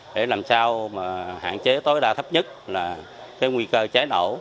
để làm sao mà hạn chế tối đa thấp nhất là cái nguy cơ cháy nổ